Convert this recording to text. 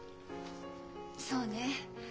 そうね。